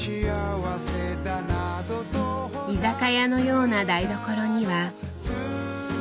居酒屋のような台所には。